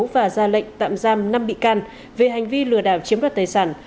và ra lệnh tạm giam năm bị can về hành vi lừa đảo chiếm đoạt tài sản